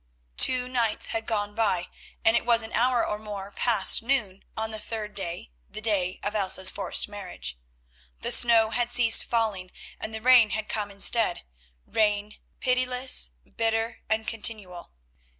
Two nights had gone by, and it was an hour or more past noon on the third day, the day of Elsa's forced marriage. The snow had ceased falling and the rain had come instead, rain, pitiless, bitter and continual.